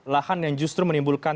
lahan yang justru menimbulkan